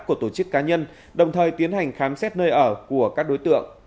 của tổ chức cá nhân đồng thời tiến hành khám xét nơi ở của các đối tượng